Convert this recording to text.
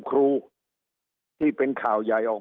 สุดท้ายก็ต้านไม่อยู่